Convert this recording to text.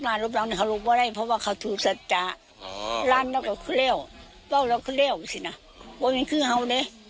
อ๋อร้านเราก็เข้าเลี่ยวเพราะเราก็เข้าเลี่ยวสินะว่ามันขึ้นเอาเนี่ย